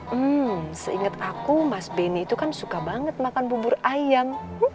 hmm seingat aku mas benny itu kan suka banget makan bubur ayam